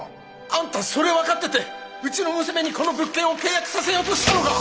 あんたそれ分かっててうちの娘にこの物件を契約させようとしたのか！